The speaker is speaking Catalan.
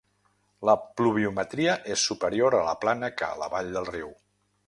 La pluviometria és superior a la plana que a la vall del riu.